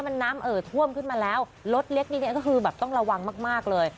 เหตุแรกนี้ก็คือแบบต้องระวังมากเลย